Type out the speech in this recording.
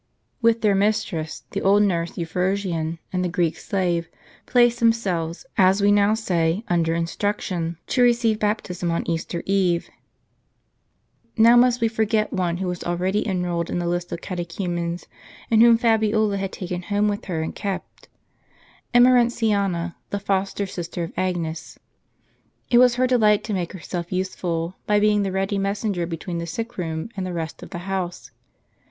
With their mistress, the old nurse, Euphrosyne, and the Greek slave, placed themselves, as we now say, under instruc tion, to receive baptism on Easter eve. 'Nov must we forget one who was already enrolled in the list of catechumens, and whom Fabiola had taken home with her and kept, Emerenti ana, the foster sister of Agnes. It was her delight to make herself useful, by being the ready messenger between the sick room and the rest of the house.